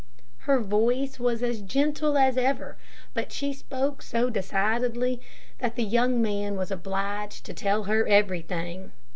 Her voice was as gentle as ever, but she spoke so decidedly that the young man was obliged to tell her everything.